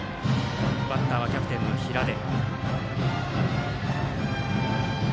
バッターはキャプテンの平出。